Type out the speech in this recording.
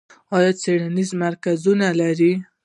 آیا څیړنیز مرکزونه لرو؟